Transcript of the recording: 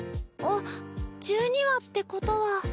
あっ１２話ってことは。